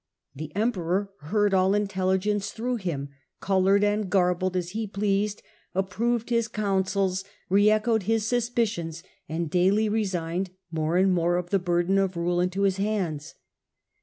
The Emperor heard all intelligence through him, coloured and garbled as he pleased, approved his counsels, re echoed his suspi cions, and daily resigned more of the burden of rule into his hands.